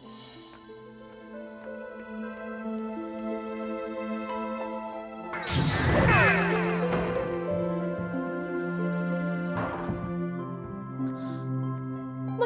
itu dia si mbok pulang